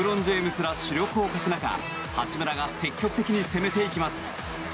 ら主力を欠く中八村が積極的に攻めていきます。